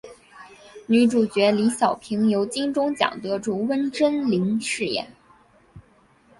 女主角李晓萍由金钟奖得主温贞菱饰演。